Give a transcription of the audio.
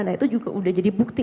nah itu juga udah jadi bukti